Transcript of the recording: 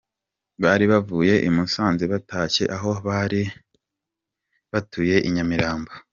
Bari bavuye i Musanze batashye aho bari batuye i Nyamirambo.